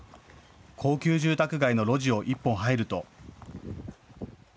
高級住宅街の路地を１本入ると。